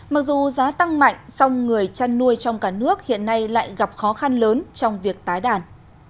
mặc dù giá tăng mạnh song người chăn nuôi trong cả nước hiện nay lại gặp khó khăn lớn trong việc tái đàn